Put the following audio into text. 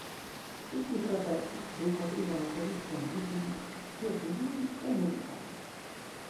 Tutti i fratelli ricoprivano posizioni di fiducia sia civili che militari.